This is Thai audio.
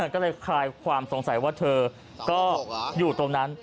ก็เลยคลายความสงสัยว่าเธอก็อยู่ตรงนั้น